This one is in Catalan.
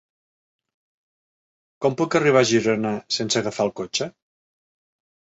Com puc arribar a Girona sense agafar el cotxe?